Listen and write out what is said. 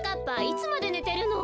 いつまでねてるの！